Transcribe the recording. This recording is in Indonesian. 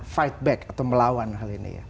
fight back atau melawan hal ini ya